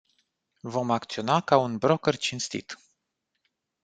Vom acționa ca un "broker cinstit”.